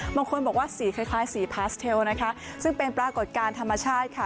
บางคนบอกว่าสีคล้ายสีพาสเทลนะคะซึ่งเป็นปรากฏการณ์ธรรมชาติค่ะ